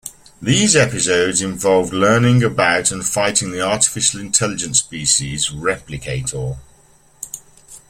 These episodes involved learning about and fighting the artificial intelligence species Replicator.